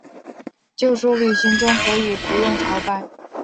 就说旅行中可以不用朝拜